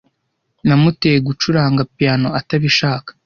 Namuteye gucuranga piyano atabishaka.